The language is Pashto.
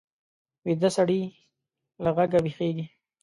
ویده سړی له غږه ویښېږي